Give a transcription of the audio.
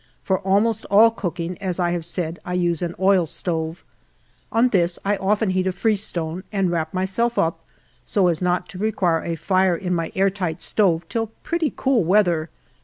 For almost all cooking, as I have said, I use an oil stove. On this I often heat a freestone, and wrap myself up, so as not to require a lire in my air tight stove till pretty cool weather.